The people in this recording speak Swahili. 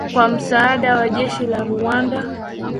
kwa msaada wa jeshi la Rwanda